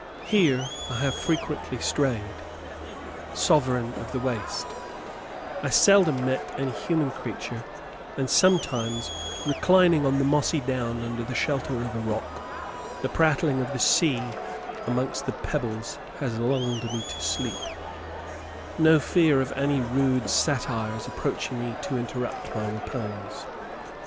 Here I have frequently strayed, sovereign of the waste; I seldom met any human creature; and sometimes, reclining on the mossy down, under the shelter of a rock, the prattling of the sea amongst the pebbles has lulled me to sleep no fear of any rude satyr's approaching to interrupt my repose.